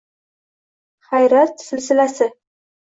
Hayrat silsilasing